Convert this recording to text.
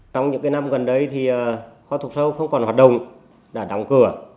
trong những năm gần đây thì kho thuộc sâu không còn hoạt động đã đóng cửa